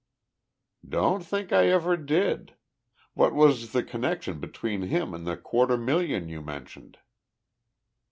"Don't think I ever did. What was the connection between him and the quarter million you mentioned?"